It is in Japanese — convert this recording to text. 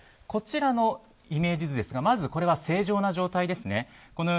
こちらのイメージ図ですがまず正常な状態ですね。